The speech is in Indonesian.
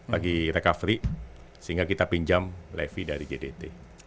lagi recovery sehingga kita pinjam levi dari gdt